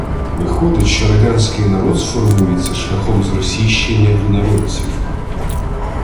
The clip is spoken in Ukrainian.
– Виходить, що радянський народ сформується шляхом зросійщення інородців